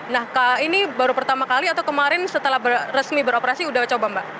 nah ini baru pertama kali atau kemarin setelah resmi beroperasi sudah coba mbak